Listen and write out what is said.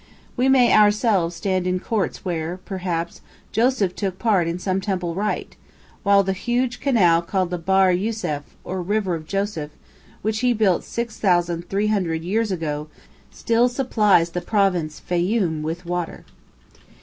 We may ourselves stand in courts where, perhaps, Joseph took part in some temple rite, while the huge canal called the "Bahr Yusef" (or river of Joseph), which he built 6,300 years ago, still supplies the province Fayoum with water.